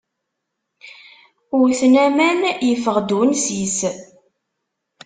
Wwten waman, yeffeɣ-d unsis.